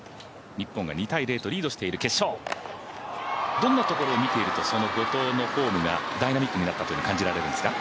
どんなところを見ていると後藤のフォームがダイナミックになったと感じられるんですか？